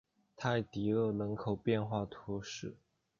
泰蒂厄人口变化图示